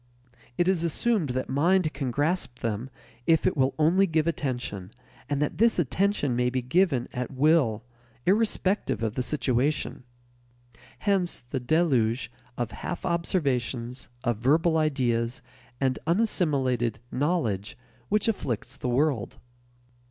It is assumed that "mind" can grasp them if it will only give attention, and that this attention may be given at will irrespective of the situation. Hence the deluge of half observations, of verbal ideas, and unassimilated "knowledge" which afflicts the world.